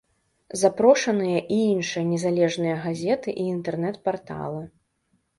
Запрошаныя і іншыя незалежныя газеты, і інтэрнэт-парталы.